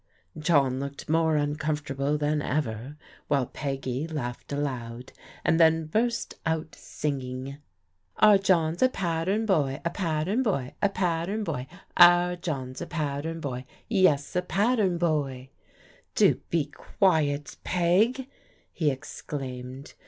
John locked more uncomfortable than ever, while P^Sy laughed aloud, and then burst out singing. 18 PRODIGAL DAUGHTERS " Our John's a pattern boy, a pattern boy, — b, pattern boy. Our John's a pattern boy, — ^yes a pa a ttem boy !" Do be quiet, Peg," he exclaimed.